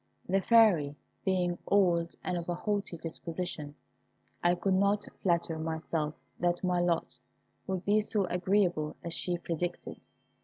The Fairy being old and of a haughty disposition, I could not flatter myself that my lot would be so agreeable as she predicted.